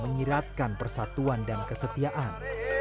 menyiratkan persatuan dan kesetiaan